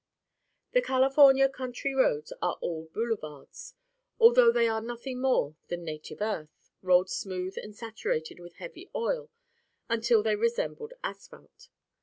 The California country roads are all "boulevards," although they are nothing more than native earth, rolled smooth and saturated with heavy oil until they resemble asphalt.